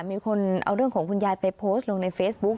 มีคนเอาเรื่องของคุณยายไปโพสต์ลงในเฟซบุ๊ค